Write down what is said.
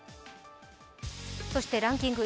そしてランキング